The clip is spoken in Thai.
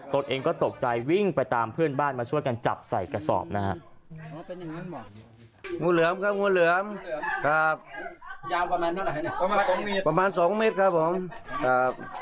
ตนเองก็ตกใจวิ่งไปตามเพื่อนบ้านมาช่วยกันจับใส่กระสอบนะครับ